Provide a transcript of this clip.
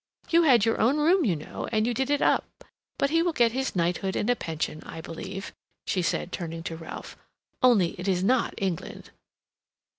You had your own room, you know, and you did it up. But he will get his knighthood and a pension, I believe," she said, turning to Ralph, "only it is not England."